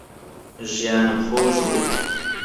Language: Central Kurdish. ژیانم خۆش بوو